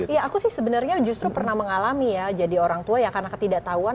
iya aku sih sebenarnya justru pernah mengalami ya jadi orang tua ya karena ketidaktahuan